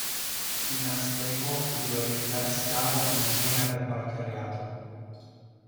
Un azteco poteva diventare schiavo come pena per qualche reato.